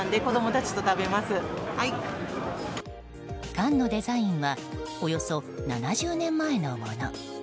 缶のデザインはおよそ７０年前のもの。